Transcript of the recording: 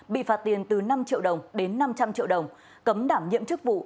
bị phạt tiền từ năm triệu đồng đến năm trăm linh triệu đồng cấm đảm nhiệm chức vụ